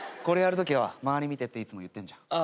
これやるときは周り見てっていつも言ってんじゃん。